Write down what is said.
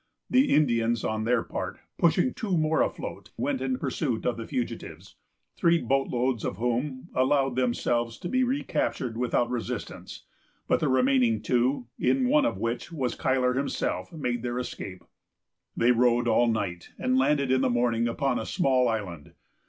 The Indians, on their part, pushing two more afloat, went in pursuit of the fugitives, three boat loads of whom allowed themselves to be recaptured without resistance; but the remaining two, in one of which was Cuyler himself, made their escape. They rowed all night, and landed in the morning upon a small island.